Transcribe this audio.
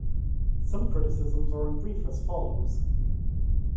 Some criticisms are in brief as follows.